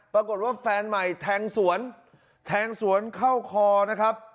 ปรากฏว่าแฟนใหม่แทงสวนแทงสวนเข้าคอนะครับ